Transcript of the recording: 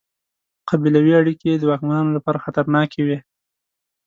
قبیلوي اړیکې یې د واکمنانو لپاره خطرناکې وې.